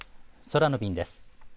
空の便です。